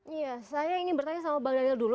iya saya ingin bertanya sama bang daniel dulu